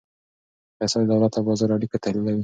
اقتصاد د دولت او بازار اړیکه تحلیلوي.